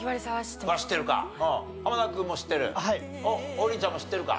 王林ちゃんも知ってるか？